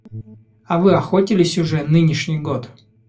А вы охотились уже нынешний год?